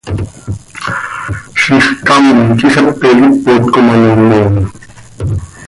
Zixcám quih xepe quih ipot com ano moom.